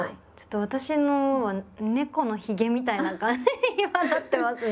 私のは猫のヒゲみたいな感じに今なってますね。